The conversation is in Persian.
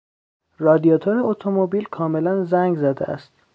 رادیاتور اتومبیل کاملا زنگ زده است.